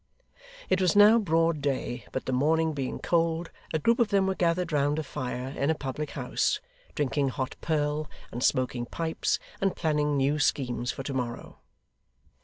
It was now broad day, but the morning being cold, a group of them were gathered round a fire in a public house, drinking hot purl, and smoking pipes, and planning new schemes for to morrow.